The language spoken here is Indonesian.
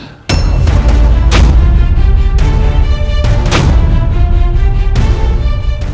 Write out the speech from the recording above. nyimah serara santang